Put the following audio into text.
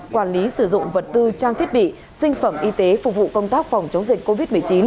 quản lý sử dụng vật tư trang thiết bị sinh phẩm y tế phục vụ công tác phòng chống dịch covid một mươi chín